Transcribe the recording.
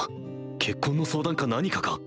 結婚の相談か何かか？